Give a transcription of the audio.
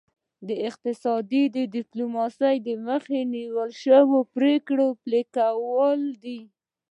اقتصادي ډیپلوماسي د مخکې نیول شوو پریکړو پلي کول دي